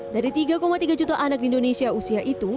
dari tiga tiga juta anak di indonesia usia itu